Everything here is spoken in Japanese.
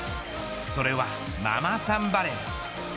それは、ママさんバレー。